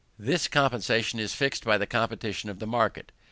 This compensation is fixed by the competition of the market.